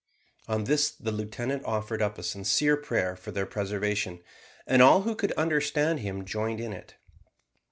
On this the lieutenant offered up a sincere prayer for their preservation, and all who could understand him joined in it.